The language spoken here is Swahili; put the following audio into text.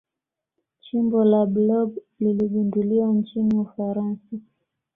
chimbo la blob liligunduliwa nchini ufaransa